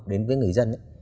đến với người dân ấy